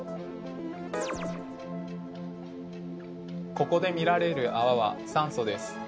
ここで見られるあわは酸素です。